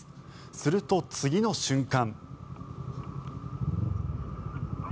すると、次の瞬間。